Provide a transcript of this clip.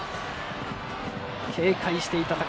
警戒していた形。